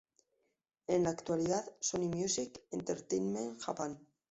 En la actualidad Sony Music Entertainment Japan.